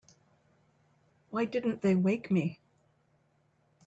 Why didn't they wake me?